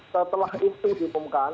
setelah itu diumumkan